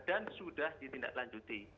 dan sudah ditindaklanjuti